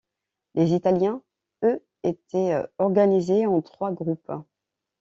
Les Italiens eux étaient organisés en trois groupes.